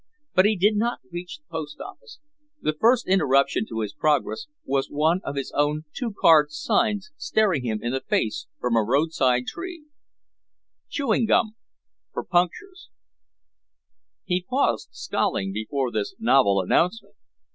But he did not reach the post office. The first interruption to his progress was one of his own two card signs staring him in the face from a roadside tree CHEWING GUM FOR PUNCTURES He paused scowling before this novel announcement.